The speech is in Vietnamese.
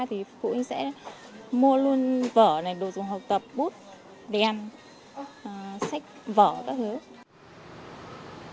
thì phụ huynh sẽ mua luôn vở này đồ dùng học tập bút đem sách vở các thứ